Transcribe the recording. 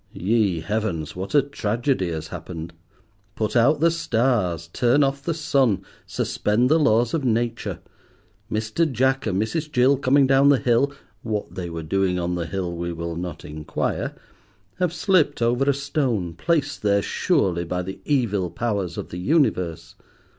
Ye Heavens! what a tragedy has happened. Put out the stars, turn off the sun, suspend the laws of nature. Mr. Jack and Mrs. Jill, coming down the hill—what they were doing on the hill we will not inquire—have slipped over a stone, placed there surely by the evil powers of the universe.